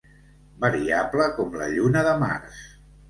Variable com la lluna de març.